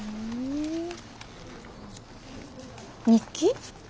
日記？